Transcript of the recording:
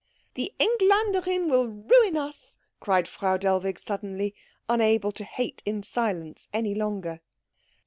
"The Engländerin will ruin us!" cried Frau Dellwig suddenly, unable to hate in silence any longer.